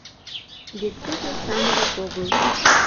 Вет тудо самырык огыл.